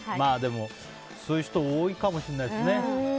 でも、そういう人多いかもしれないですね。